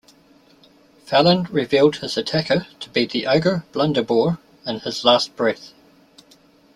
Fallon revealed his attacker to be the ogre Blunderbore in his last breath.